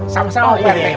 sama sama pak rt